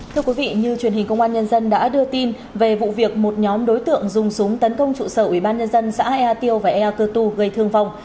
thưa quý vị như truyền hình công an nhân dân đã đưa tin về vụ việc một nhóm đối tượng dùng súng tấn công trụ sở ubnd xã ea tiêu và ea cơ tu gây thương vong